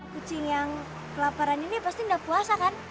kucing yang kelaparan ini pasti tidak puasa kan